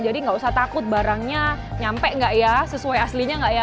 jadi enggak usah takut barangnya nyampe enggak ya sesuai aslinya enggak ya